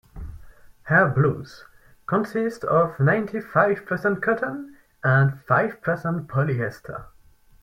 Her blouse consists of ninety-five percent cotton and five percent polyester.